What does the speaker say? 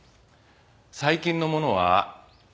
最近のものは。